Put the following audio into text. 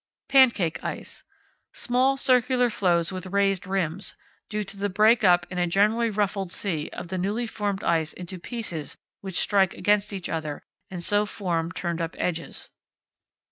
Pancake ice. Small circular floes with raised rims; due to the break up in a gently ruffled sea of the newly formed ice into pieces which strike against each other, and so form turned up edges.